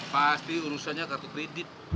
pasti urusannya kartu kredit